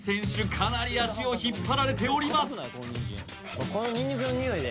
かなり足を引っ張られております